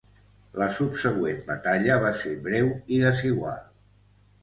La subsegüent batalla va ser breu i desigual.